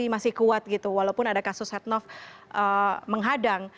masih kuat gitu walaupun ada kasus setia novanto menghadang